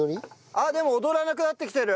あっでも踊らなくなってきてる！